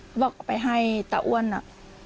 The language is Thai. เขาบอกไปให้เตอร์อ้วนอะ